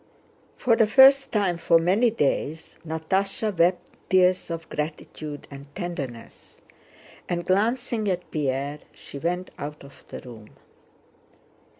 For the first time for many days Natásha wept tears of gratitude and tenderness, and glancing at Pierre she went out of the room.